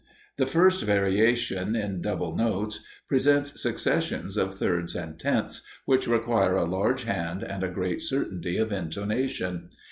The first variation, in double notes, presents successions of thirds and tenths, which require a large hand and a great certainty of intonation.